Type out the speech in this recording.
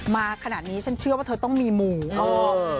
มาขนาดนี้ฉันเชื่อว่าเธอต้องมีหมู่